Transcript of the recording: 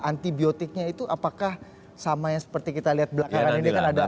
antibiotiknya itu apakah sama yang seperti kita lihat belakangan ini kan ada